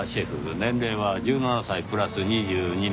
年齢は１７歳プラス２２年。